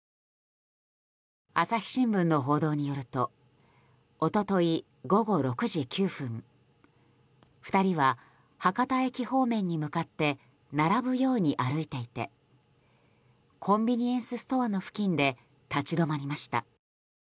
朝日新聞の報道によると一昨日午後６時９分２人は博多駅方面に向かって並ぶように歩いていてコンビニエンスストアの付近で立ち止まりました。